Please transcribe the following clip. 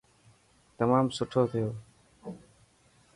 تمام سٺو ٿيو.